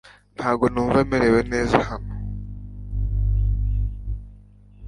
Ntabwo numva merewe neza hano .